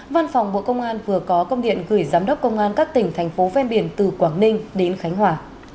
văn phòng bộ công an vừa có công điện gửi giám đốc công an các tỉnh thành phố ven biển từ quảng ninh đến khánh hòa